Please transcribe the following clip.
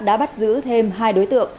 đã bắt giữ thêm hai đối tượng